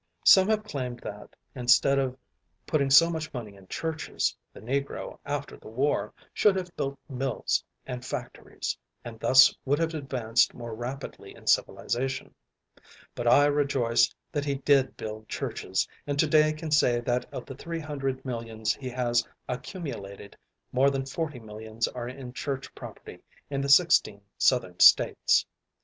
Some have claimed that, instead of putting so much money in churches, the Negro, after the war, should have built mills and factories, and thus would have advanced more rapidly in civilization; but I rejoice that he did build churches, and to day can say that of the three hundred millions he has accumulated, more than forty millions are in church property in the sixteen Southern States.